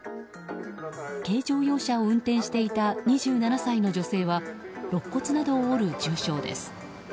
軽乗用車を運転していた２７歳の女性は肋骨などを折る重傷です。